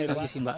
ini lagi sih mbak